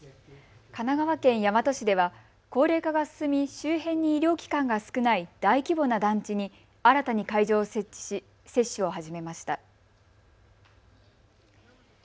神奈川県大和市では高齢化が進み周辺に医療機関が少ない大規模な団地に新たに会場を設置し接種を始めました。